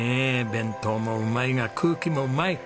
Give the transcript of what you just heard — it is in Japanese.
弁当もうまいが空気もうまい！